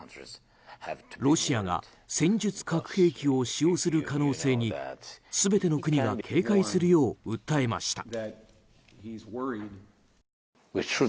ロシアが戦術核兵器を使用する可能性に全ての国が警戒するよう訴えました。